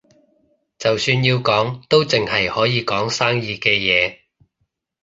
就算要講，都淨係可以講生意嘅嘢